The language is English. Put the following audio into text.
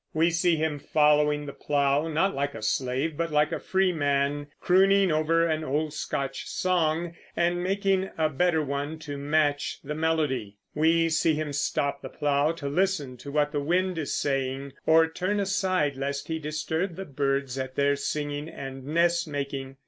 We see him following the plow, not like a slave, but like a free man, crooning over an old Scotch song and making a better one to match the melody. We see him stop the plow to listen to what the wind is saying, or turn aside lest he disturb the birds at their singing and nest making.